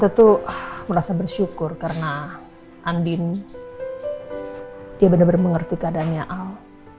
tante tuh merasa bersyukur karena andin dia bener bener mengerti keadaannya al